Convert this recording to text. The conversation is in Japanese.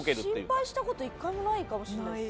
心配した事１回もないかもしれないです。